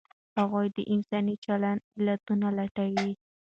هغوی د انساني چلند علتونه لټول.